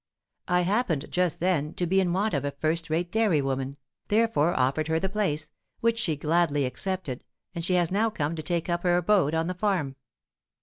I happened, just then, to be in want of a first rate dairy woman, therefore offered her the place, which she gladly accepted, and she has now come to take up her abode on the farm."